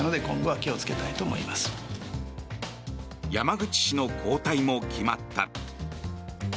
山口氏の交代も決まった。